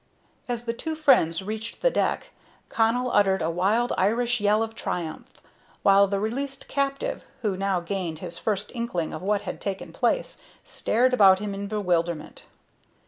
As the two friends reached the deck, Connell uttered a wild Irish yell of triumph, while the released captive, who now gained his first inkling of what had taken place, stared about him in bewilderment.